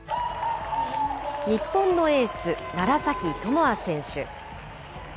日本のエース、楢崎智亜選手。